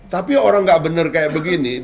tapi orang nggak bener kayak begini